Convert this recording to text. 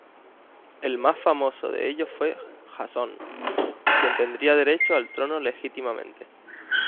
El más famoso de ellos fue Jasón, quien tendría derecho al trono legítimamente.